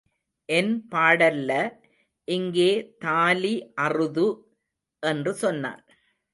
என்பாடல்ல இங்கே தாலி அறுது —என்று சொன்னான்.